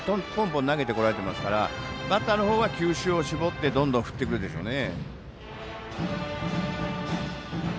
ポンポン投げてこられてますからバッターのほうは、球種を絞ってどんどん振ってくるでしょうね。